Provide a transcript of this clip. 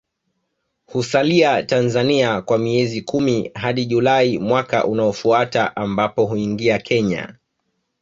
Husalia Tanzania kwa miezi kumi hadi Julai mwaka unaofuata ambapo huingia Kenya